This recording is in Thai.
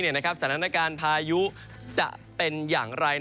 สถานการณ์พายุจะเป็นอย่างไร